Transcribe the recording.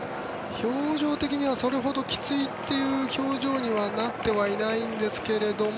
表情的にはそれほどきついという表情にはなっていないんですが。